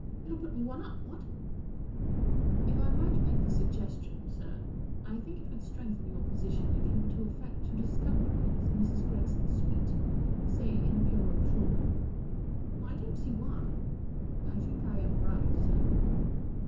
It'll put me one up, what ?" 41 If I might make the suggestion, sir, I think it would strengthen your position if you were to affect to discover the pearls in Mrs. Greg¬ son's suite—say, in a bureau drawer." 44 I don't see why." 44 I think I am right, sir."